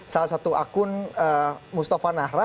salah satu akun mustafa nahra